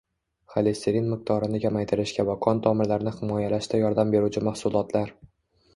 Xolesterin miqdorini kamaytirishga va qon tomirlarni himoyalashda yordam beruvchi mahsulotlar